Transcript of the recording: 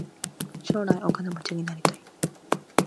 将来お金持ちになりたい。